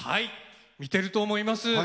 見てると思います。